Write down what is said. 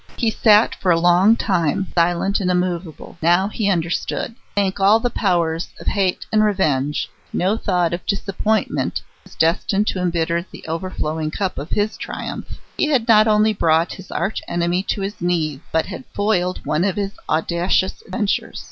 He sat for a long time, silent and immovable. Now he understood. Thank all the Powers of Hate and Revenge, no thought of disappointment was destined to embitter the overflowing cup of his triumph. He had not only brought his arch enemy to his knees, but had foiled one of his audacious ventures.